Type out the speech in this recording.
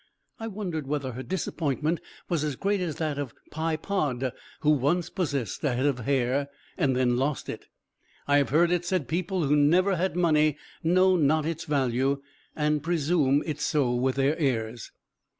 I wondered whether her disappointment was as great as that of Pye Pod, who once possessed a head of hair, then lost it. I have heard it said people who never had money know not its value, and presume its so with their heirs.